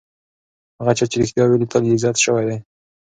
هغه چا چې رښتیا ویلي، تل یې عزت شوی دی.